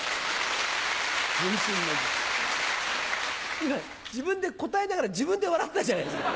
今自分で答えながら自分で笑ってたじゃないですか。